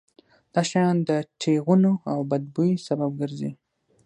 دا شیان د ټېغونو او بد بوی سبب ګرځي.